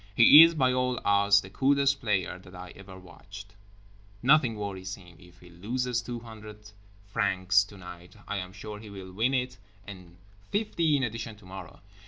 He is, by all odds, the coolest player that I ever watched. Nothing worries him. If he loses two hundred francs tonight, I am sure he will win it and fifty in addition tomorrow.